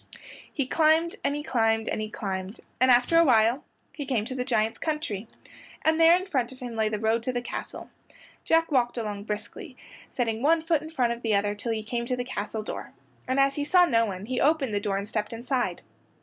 He climbed and he climbed and he climbed, and after awhile he came to the giant's country, and there in front of him lay the road to the castle. Jack walked along briskly, setting one foot in front of the other till he came to the castle door, and as he saw no one he opened the door and stepped inside.